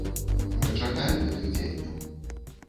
Мы чакаем гэтых дзеянняў.